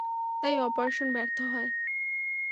তাই অপারেশন ব্যর্থ হয়।